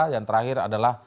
yang terakhir adalah